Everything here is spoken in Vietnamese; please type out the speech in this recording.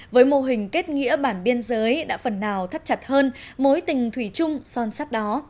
với mô hình kết nghĩa bản biên giới đã phần nào thắt chặt hơn mối tình thủy chung son sắt đó